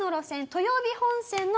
豊美本線の？